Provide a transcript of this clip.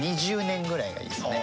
２０年ぐらいがいいですね。